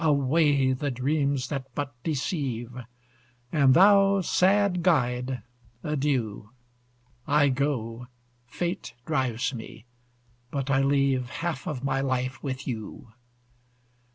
Away the dreams that but deceive! And thou, sad guide, adieu! I go, fate drives me; but I leave Half of my life with you.